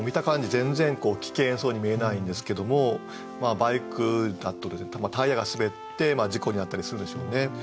全然危険そうに見えないんですけどもバイクだとタイヤが滑って事故に遭ったりするんでしょうね。